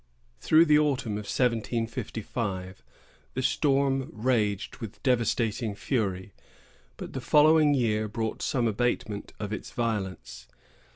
Through the autumn of 1755, the storm raged with devastating fury; but the following year brought some abatement of its violence.